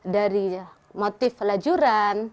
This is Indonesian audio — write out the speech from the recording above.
dari motif lajuran